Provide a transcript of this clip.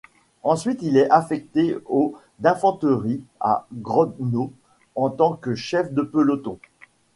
Ensuite il est affecté au d'infanterie à Grodno en tant que chef de peloton.